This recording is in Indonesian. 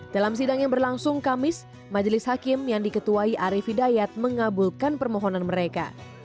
dalam sidang yang berlangsung kamis majelis hakim yang diketuai arief hidayat mengabulkan permohonan mereka